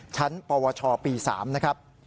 ปวชปี๓นะครับ